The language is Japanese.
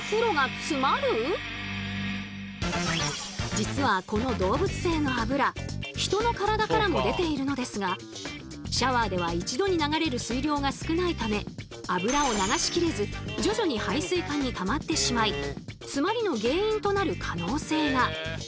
実はこの動物性のあぶらヒトの体からも出ているのですがシャワーでは一度に流れる水量が少ないためあぶらを流しきれず徐々に排水管にたまってしまい詰まりの原因となる可能性が！